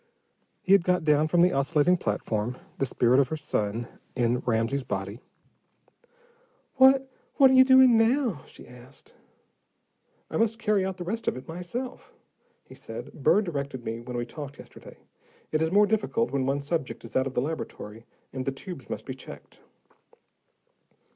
He had got down from the oscillating platform, the spirit of her son in Ramsey's body. "What what are you doing now?" she asked. "I must carry out the rest of it myself," he said. "Burr directed me when we talked yesterday. It is more difficult when one subject is out of the laboratory, and the tubes must be checked."